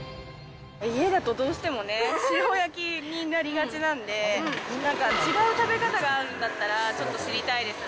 家だとどうしてもね、塩焼きになりがちなんで、なんか違う食べ方があるんだったら、ちょっと知りたいです。